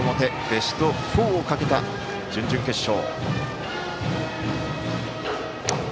ベスト４をかけた準々決勝。